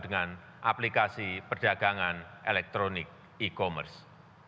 dengan aplikasi perdagangan elektronik e commerce